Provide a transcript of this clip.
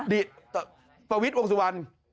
ดิปวิศวงศ์สุวรรณ